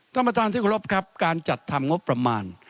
ต้องมาตามที่ขอรับครับการจัดทำงบประมาณ